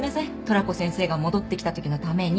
トラコ先生が戻って来た時のために。